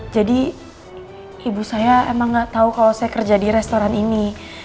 jadi ibu saya emang gak tau kalau saya kerja di restoran ini